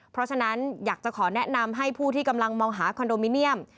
เพราะฉะนั้นอยากจะขอแนะนำให้ผู้ที่กำลังมองหาคอนโดมิเนียม